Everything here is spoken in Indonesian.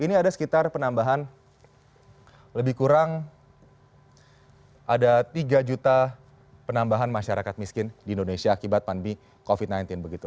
ini ada sekitar penambahan lebih kurang ada tiga juta penambahan masyarakat miskin di indonesia akibat pandemi covid sembilan belas begitu